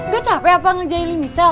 gak capek apa ngejahili michelle